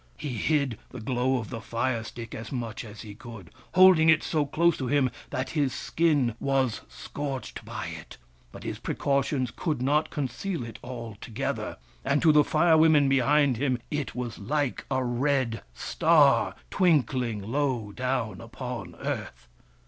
He hid the glow of the fire stick as much as he could, holding it so close to him that his skin was scorched by it ; but his precautions could not conceal it altogether, and to the Fire Women behind him it was like a red star, twinkling low down upon earth.